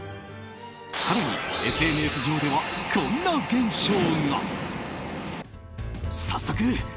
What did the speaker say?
更にＳＮＳ上では、こんな現象が。